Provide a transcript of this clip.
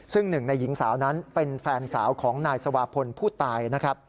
ซึ่งหนึ่งในหญิงสาวนั้นเป็นแฟนสาวของนายสวาพลผู้ตายนะครับ